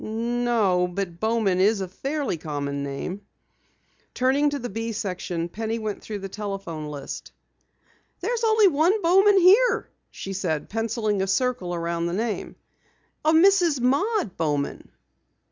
"No, but Bowman is a fairly common name." Turning to the "B" section Penny went through the telephone list. "There's only one Bowman here," she said, penciling a circle around the name. "A Mrs. Maud Bowman."